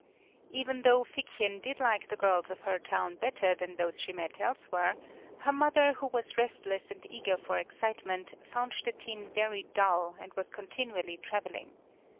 Even though Figchen did like the girls of her own town better than those she met elsewhere, her mother, who was restless and eager for excitement, found Stettin very dull, and was continually traveling.